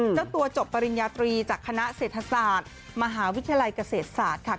เจ้าตัวจบปริญญาตรีจากคณะเศรษฐศาสตร์มหาวิทยาลัยเกษตรศาสตร์ค่ะ